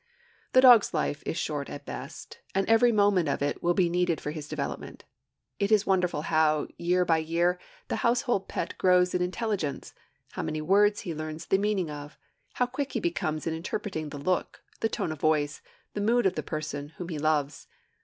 The dog's life is short at the best, and every moment of it will be needed for his development. It is wonderful how, year by year, the household pet grows in intelligence, how many words he learns the meaning of, how quick he becomes in interpreting the look, the tone of voice, the mood of the person whom he loves.